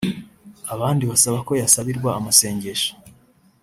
abandi basaba ko yasabirwa amasengesho